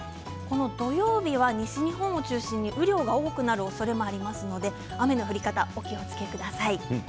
土曜日は、西日本を中心に雨量が多くなるおそれがありますので雨の降り方、お気をつけください。